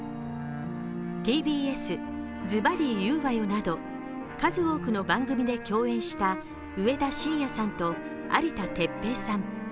ＴＢＳ「ズバリ言うわよ！」など数多くの番組で共演した上田晋也さんと有田哲平さん。